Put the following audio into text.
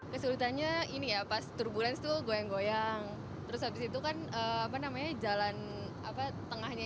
kesulitannya ini ya pas turbules tuh goyang goyang terus habis itu kan apa namanya jalan apa tengahnya